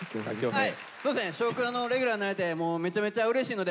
はい。